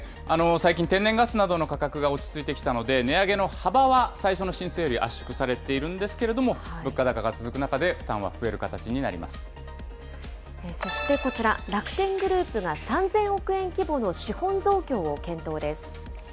最近、天然ガスなどの価格が落ち着いてきたので、値上げの幅は最初の申請より圧縮されているんですけれども、物価高が続く中で負そしてこちら、楽天グループが３０００億円規模の資本増強を検討です。